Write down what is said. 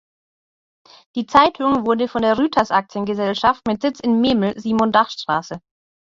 Die Zeitung wurde von der "Rytas" Aktiengesellschaft mit Sitz in Memel, Simon-Dach-Str.